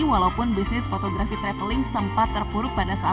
walaupun bisnis fotografi traveling sempat terpuruk pada saat